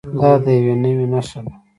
دا د یوې نوعې نښه ده.